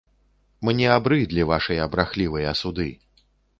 Мне абрыдлі вашыя брахлівыя суды!